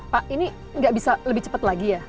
pak ini nggak bisa lebih cepat lagi ya